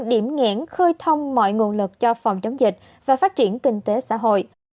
điểm nghẽn khơi thông mọi nguồn lực cho phòng chống dịch và phát triển kinh tế xã hội